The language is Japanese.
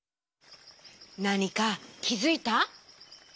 なにかきづいた？